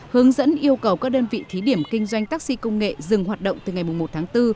hướng dẫn yêu cầu các đơn vị thí điểm kinh doanh taxi công nghệ dừng hoạt động từ ngày một tháng bốn